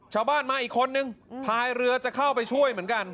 ชาวบ้านมาอีกคนนึงพายเรือจะเข้าไปช่วยเหมือนกัน